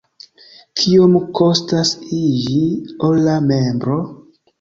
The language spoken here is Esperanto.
Kiom kostas iĝi ora membro?